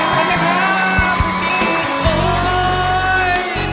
เป็นไหมคะพี่จีน